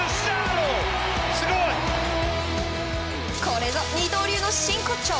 これぞ二刀流の真骨頂！